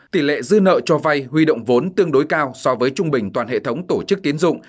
tỷ lệ dư nợ cho vay huy động vốn tương đối cao so với trung bình toàn hệ thống tổ chức tiến dụng